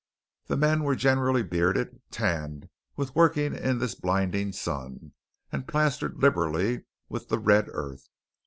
The men were generally bearded, tanned with working in this blinding sun, and plastered liberally with the red earth.